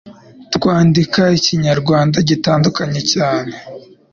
twandika Ikinya-Rwanda gitandukanye cyane